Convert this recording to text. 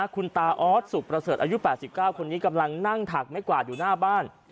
คุณตาออสสุขประเสริฐอายุ๘๙คนนี้กำลังนั่งถักไม่กวาดอยู่หน้าบ้าน